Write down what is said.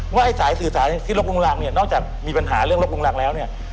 ว่าไอ้สายสื่อสารที่ลบลุงรังเนี่ยนอกจากมีปัญหาเรื่องลบลุงรังแล้วเนี่ย